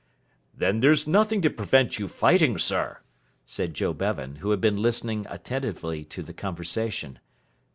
"Then there's nothing to prevent you fighting, sir," said Joe Bevan, who had been listening attentively to the conversation.